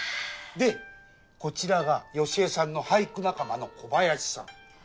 でこちらが良枝さんの俳句仲間の小林さん。